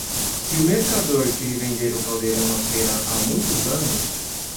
se o mercador que lhe vendera o caldeirão na feira há muitos anos